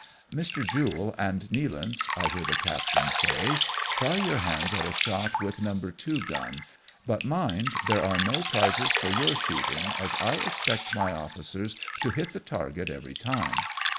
" Mr. Jule and Nealance," I hear the captain say, c 1 8 AMONG TYPHOONS AND PIRATE CRAFT. "try your hands at a shot with number two gun, but, mind, there are no prizes for your shooting, as I expect my officers to hit the target every time."